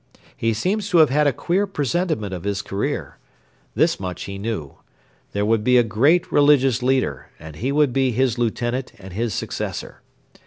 He seems to have had a queer presentiment of his career. This much he knew: there would be a great religious leader, and he would be his lieutenant and his successor.